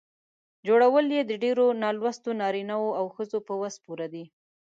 جوړول یې د ډېرو نالوستو نارینه وو او ښځو په وس پوره دي.